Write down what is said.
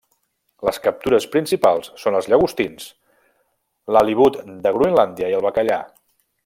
Les captures principals són els llagostins, l'halibut de Groenlàndia i el bacallà.